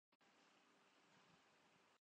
کہ زر مبادلہ کے ذخائر گر رہے ہیں اور اتنے محدود